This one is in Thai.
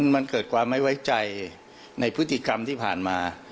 มันเกิดความไม่ไว้ใจในพฤติกรรมที่ผ่านมา